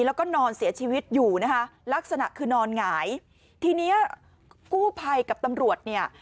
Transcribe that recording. แล้วก็นอนเสียชีวิตอยู่นะคะลักษณะคือนอนหงายทีเนี้ยกู้ภัยกับตำรวจเนี่ย